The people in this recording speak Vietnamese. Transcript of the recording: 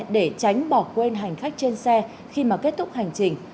để tránh bỏ quên hành khách trên xe khi mà kết thúc hành trình